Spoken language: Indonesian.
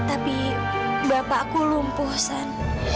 tapi bapakku lumpuh san